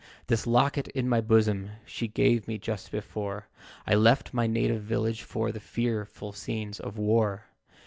This locket in my bosom, She gave me just before I left my native village For the fearful scenes of war.